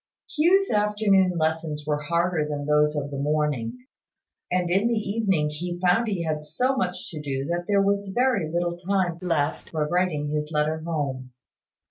Hugh's afternoon lessons were harder than those of the morning; and in the evening he found he had so much to do that there was very little time left for writing his letter home.